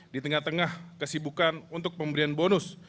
di tengah tengah kesibukan untuk pemberian bonus